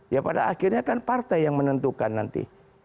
ya pada akhirnya kan partai yang menentukan nanti